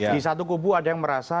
di satu kubu ada yang merasa